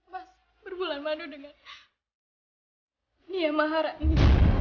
mas bergulan madu dengan nia maharani